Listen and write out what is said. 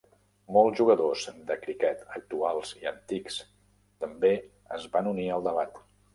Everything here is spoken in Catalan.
Molts jugadors de criquet actuals i antics també es van unir al debat.